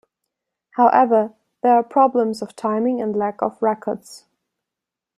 However, there are problems of timing and lack of records.